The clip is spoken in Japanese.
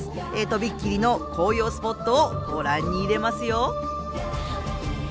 とびっきりの紅葉スポットをご覧にいれますよ。